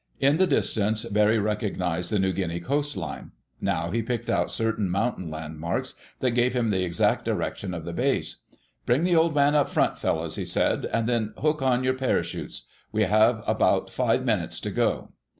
In the distance Barry recognized the New Guinea coastline. Now he picked out certain mountain landmarks that gave him the exact direction of the base. "Bring the Old Man up front, fellows," he said. "And then hook on your parachutes. We have about five minutes to go."